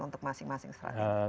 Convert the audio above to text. untuk masing masing strategi